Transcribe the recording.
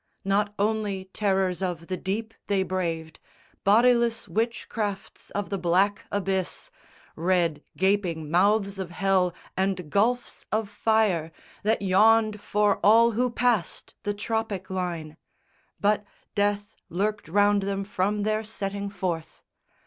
Not only terrors of the deep they braved, Bodiless witchcrafts of the black abyss, Red gaping mouths of hell and gulfs of fire That yawned for all who passed the tropic line; But death lurked round them from their setting forth.